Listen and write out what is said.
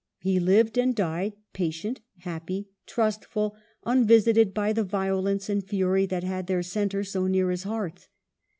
He lived and died, patient, happy, trustful, unvisited by the vio lence and fury that had their centre so near his hearth.